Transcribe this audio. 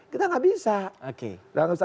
kita tidak bisa